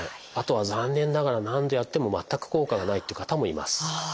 あとは残念ながら何度やっても全く効果がないという方もいます。